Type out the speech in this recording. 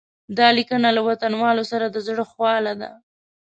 دا لیکنه له وطنوالو سره د زړه خواله ده.